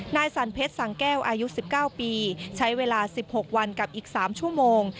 นายสันเพชรสังแก้วอายุ๑๙ปีใช้เวลา๑๖วันกับอีก๓ชั่วโมง